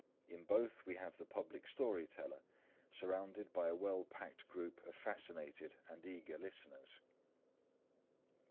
In both we have the public story teller, surrounded by a well packed group of fascinated and eager listeners.